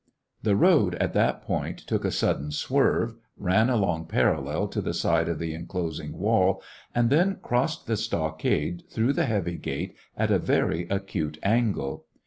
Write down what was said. The road at that point took a sudden swerve, ran along parallel to the side of the enclosing wall, and then crossed the stockade through the heavy gate at a very acute angle.